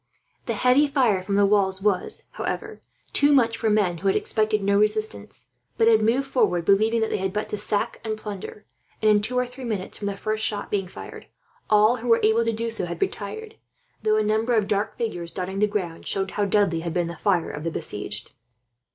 The heavy fire from the walls was, however, too much for men who had expected no resistance, but had moved forward believing that they had but to sack and plunder; and in two or three minutes from the first shot being fired, all who were able to do so had retired; though a number of dark figures, dotting the ground, showed how deadly had been the fire of the besieged.